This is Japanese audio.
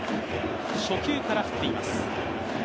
初球から振っています。